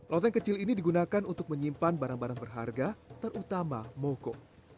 loteng kecil ini digunakan untuk menyimpan barang barang berharga terutama moko